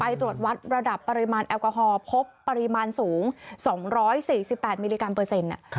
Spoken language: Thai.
ไปตรวจวัดระดับปริมาณแอลกอฮอล์พบปริมาณสูงสองร้อยสี่สิบแปดมิลลิกรัมเปอร์เซ็นต์ค่ะ